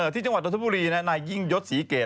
ที่จังหวัดนทบุรีนายยิ่งยศศรีเกต